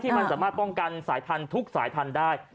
มันสามารถป้องกันสายพันธุ์ทุกสายพันธุ์ได้